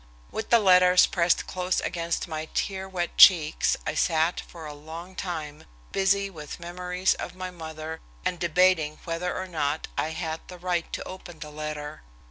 With the letters pressed close against my tear wet cheeks I sat for a long time, busy with memories of my mother and debating whether or not I had the right to open the letter.